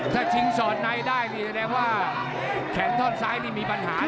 ถ้าทิ้งสอดในได้นี่แสดงว่าแขนท่อนซ้ายนี่มีปัญหาเลยนะครับอัมบาท